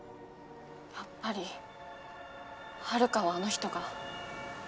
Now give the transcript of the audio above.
やっぱり遥はあの人が。